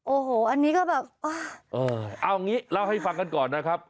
โอ้โหอันนี้ก็แบบเออเอาอย่างนี้เล่าให้ฟังกันก่อนนะครับ